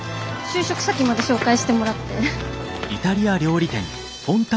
就職先まで紹介してもらって。